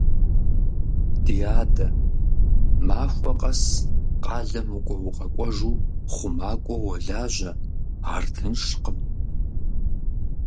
Ди адэ, махуэ къэс къалэм укӀуэ-укъэкӀуэжу хъумакӀуэу уолажьэ, ар тыншкъым.